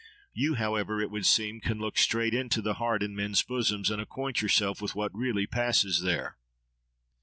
You, however, it would seem, can look straight into the heart in men's bosoms, and acquaint yourself with what really passes there.